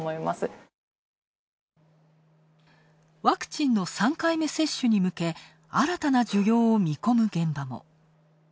ワクチンの３回目接種に向け新たな需要を見込む現場も。